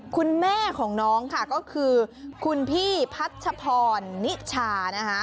คุณแม่ของน้องค่ะก็คือคุณพี่พัชพรนิชานะคะ